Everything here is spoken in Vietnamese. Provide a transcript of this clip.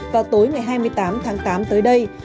vào tối ngày hai mươi tám tháng tám tới đây